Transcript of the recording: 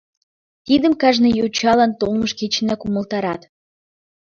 Тидым кажне йочалан толмыж кечынак умылтарат.